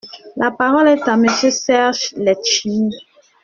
La parole est à Monsieur Serge Letchimy.